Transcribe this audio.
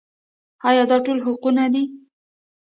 آیا دا ټول حقونه دي؟